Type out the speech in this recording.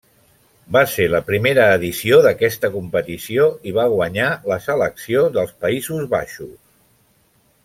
Va ser la primera edició d'aquesta competició i va guanyar la selecció dels Països Baixos.